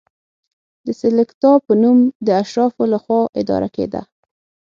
د سلکتا په نوم د اشرافو له خوا اداره کېده.